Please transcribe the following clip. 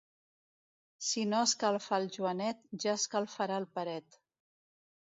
Si no escalfa el Joanet, ja escalfarà el Peret.